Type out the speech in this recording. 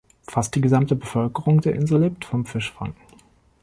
Fast die gesamte Bevölkerung der Insel lebt vom Fischfang.